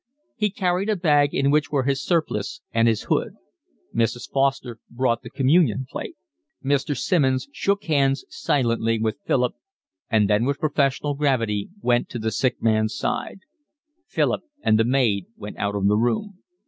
He carried a bag in which were his surplice and his hood. Mrs. Foster brought the communion plate. Mr. Simmonds shook hands silently with Philip, and then with professional gravity went to the sick man's side. Philip and the maid went out of the room.